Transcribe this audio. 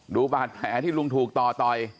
ดูบาดแผลที่ลุงถูกต่อต่อย